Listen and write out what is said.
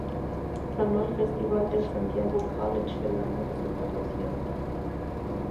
Ganó el Festival del Santiago College el año de su graduación.